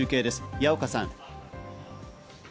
矢岡さん。